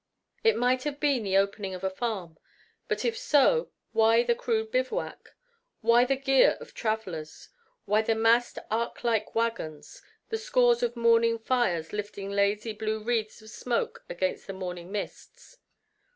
It might have been the opening of a farm. But if so, why the crude bivouac? Why the gear of travelers? Why the massed arklike wagons, the scores of morning fires lifting lazy blue wreaths of smoke against the morning mists?